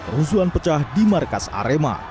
rusun pecah di markas arema